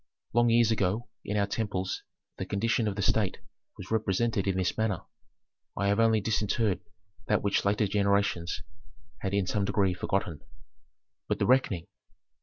Long years ago in our temples the condition of the state was represented in this manner. I have only disinterred that which later generations had in some degree forgotten." "But the reckoning?"